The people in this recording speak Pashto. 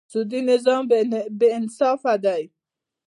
سودي نظام بېانصافه دی.